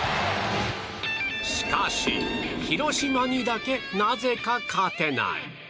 しかし、広島にだけなぜか勝てない。